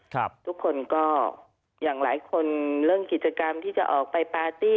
ทุกคนก็อย่างหลายคนเรื่องกิจกรรมที่จะออกไปปาร์ตี้